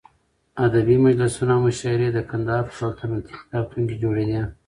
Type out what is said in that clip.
ادبي مجلسونه او مشاعرې د قندهار په سلطنتي کتابتون کې جوړېدې.